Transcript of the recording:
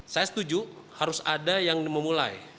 saya setuju harus ada yang memulai